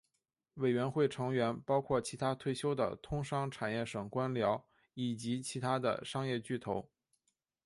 委员会成员包括其它退休的通商产业省官僚以及其它的商业巨头。